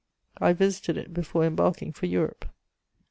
I visited it before embarking for Europe.